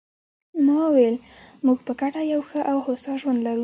ما وویل: موږ په ګډه یو ښه او هوسا ژوند لرو.